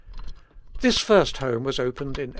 This first Home was opened in 1849.